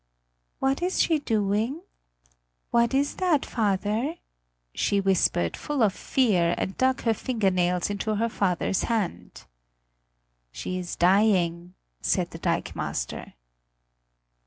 "What is she doing? What is that, father?" she whispered, full of fear, and dug her finger nails into her father's hand. "She is dying!" said the dikemaster.